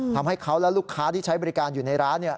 ทำให้เขาและลูกค้าที่ใช้บริการอยู่ในร้าน